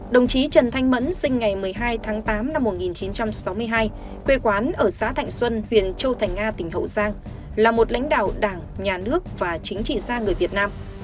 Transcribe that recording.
đồng chí trần thanh mẫn sinh ngày một mươi hai tháng tám năm một nghìn chín trăm sáu mươi hai quê quán ở xã thạnh xuân huyện châu thành a tỉnh hậu giang là một lãnh đạo đảng nhà nước và chính trị gia người việt nam